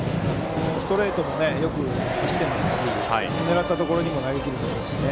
ストレートもよく走っていますし狙ったところにも投げ切れていますしね。